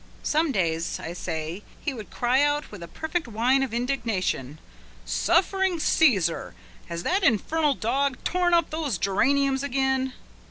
Some days, I say, he would cry out with a perfect whine of indignation: "Suffering Caesar! has that infernal dog torn up those geraniums again?"